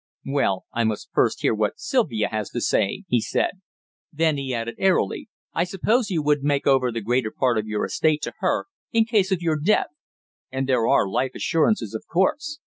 "Well, I must first hear what Sylvia has to say," he said; then he added airily, "I suppose you would make over the greater part of your estate to her, in case of your death? And there are life assurances, of course?